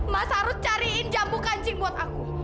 mas arut cariin jambu kancing buat aku